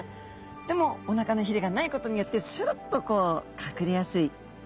でもおなかのひれがないことによってするっとこう隠れやすい。